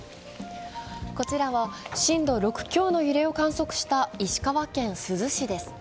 こちらは震度６強の揺れを観測した石川県珠洲市です。